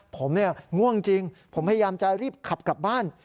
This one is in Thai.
ผมง่วงจริงผมพยายามจะรีบขับกลับบ้าน